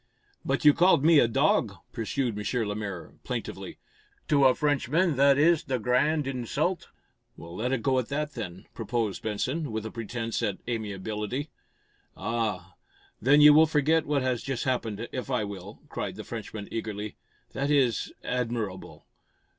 "But you called me a 'dog,'" pursued M. Lemaire, plaintively. "To a Frenchman that is the gr r r rand insult!" "Let it go at that, then," proposed Benson, with a pretense at amiability. "Ah! Then you will forget what has just happened, if I will?" cried the Frenchman, eagerly. "That is admir r r rable!